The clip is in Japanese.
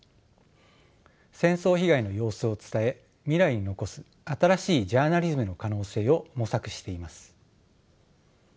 戦争被害の様子を伝え未来に残す新しいジャーナリズムの可能性を模索しています。